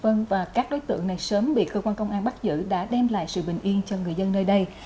vân và các đối tượng này sớm bị cơ quan công an bắt giữ đã đem lại sự bình yên cho người dân nơi đây